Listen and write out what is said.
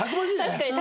確かに。